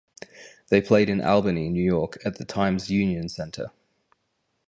They played in Albany, New York at the Times Union Center.